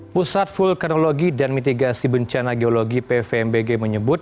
pusat vulkanologi dan mitigasi bencana geologi pvmbg menyebut